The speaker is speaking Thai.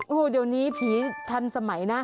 โอ้โหเดี๋ยวนี้ผีทันสมัยนะ